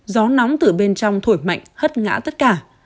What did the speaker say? gió nóng từ bên trong thổi mạnh hất ngã tất cả